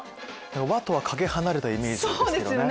和とは懸け離れたイメージですけどね。